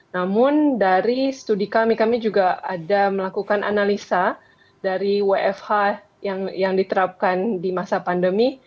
namun dari studi kami kami juga ada melakukan analisa dari wfh yang diterapkan di masa pandemi